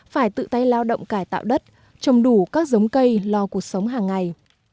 phải tự tay lao động cải tạo đất trồng đủ các giống cây lo cuộc sống hàng ngày